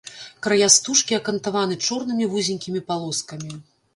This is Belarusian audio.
Края стужкі акантаваны чорнымі вузенькімі палоскамі.